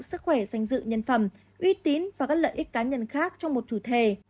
sức khỏe danh dự nhân phẩm uy tín và các lợi ích cá nhân khác trong một chủ thể